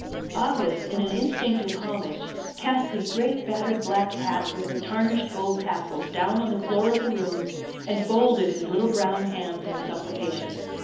August in an instinct of homage cast his great battered black hat with the tarnished gold tassels down on the floor of the room, and folded his little brown hands in supplication.